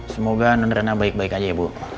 semoga reina baik baik aja ya bu